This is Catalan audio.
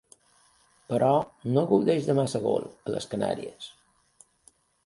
Però, no gaudeix de massa gol a les Canàries.